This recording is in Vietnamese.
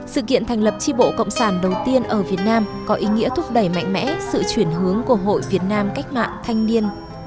sự kiện thành lập tri bộ cộng sản đầu tiên ở việt nam có ý nghĩa thúc đẩy mạnh mẽ sự chuyển hướng của hội việt nam cách mạng thanh niên